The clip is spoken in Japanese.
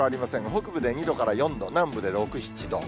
北部で２度から４度、南部で６、７度。